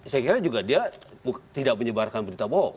saya kira juga dia tidak menyebarkan berita bohong